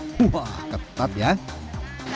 kacang yang sudah dikembangkan sudah tetap ya